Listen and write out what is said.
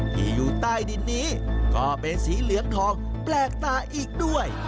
อยู่ใต้ดินนี้ก็เป็นสีเหลืองทองแปลกตาอีกด้วย